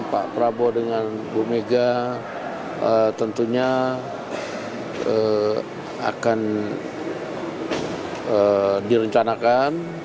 pak prabowo dengan bumega tentunya akan direncanakan